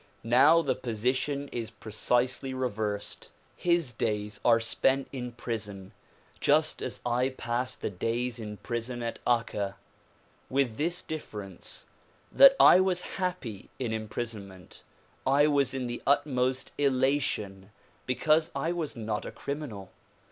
Now the position is precisely re versed. His days are spent in prison just as I passed the days in prison at Akka, with this difference, that I was happy in imprison ment. I was in the utmost elation because I was not a criminal.